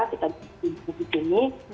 kita di situ situ ini